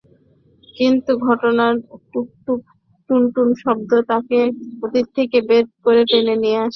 কিন্তু ঘণ্টার টুনটুন শব্দ তাকে অতীত থেকে বের করে নিয়ে আসে।